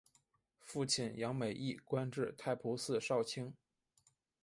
父亲杨美益官至太仆寺少卿。